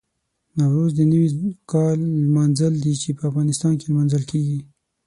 نوروز د نوي کال لمانځل دي چې په افغانستان کې لمانځل کېږي.